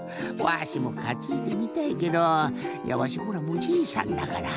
わしもかついでみたいけどいやわしほらもうおじいさんだから。